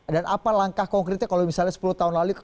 dan apa langkah konkritnya kalau misalnya sepuluh tahun lalu